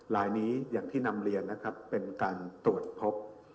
ลายนี้ที่นำเลียนนะครับเป็นการตวดพบ